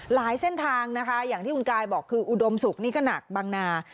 หลายเส้นทางนะคะอย่างที่คุณกายบอกคืออุดมศุกร์นี่ก็หนักบางนา